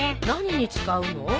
何に使うの？